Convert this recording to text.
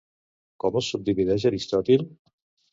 Com els subdivideix Aristòtil?